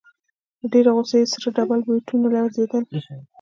له ډېرې غوسې يې سره ډبل برېتونه لړزېدل.